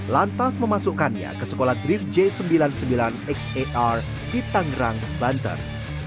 lantas memasukkannya ke sekolah drift j sembilan puluh sembilan xar di tangerang banten